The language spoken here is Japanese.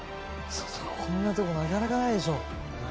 こんなところ、なかなかないでしょ。